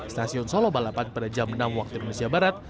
stasiun solo balapan pada jam enam waktu indonesia barat